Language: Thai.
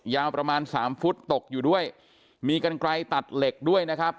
ยาวประมาณสามฟุตตกอยู่ด้วยมีกันไกลตัดเหล็กด้วยนะครับ